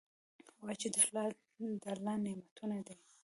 ووایه چې دا د الله نعمتونه دي.